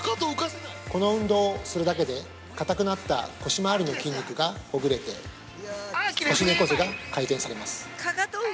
◆この運動をするだけで、かたくなった腰回りの筋肉がほぐれて腰猫背が改善されます。